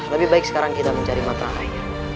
lebih baik sekarang kita mencari matlamat